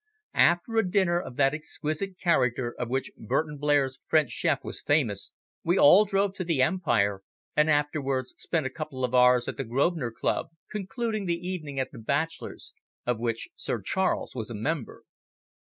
After a dinner of that exquisite character of which Burton Blair's French chef was famous, we all drove to the Empire, and afterwards spent a couple of hours at the Grosvenor Club, concluding the evening at the Bachelors, of which Sir Charles was a member.